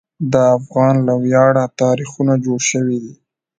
د افغان له ویاړه تاریخونه جوړ شوي دي.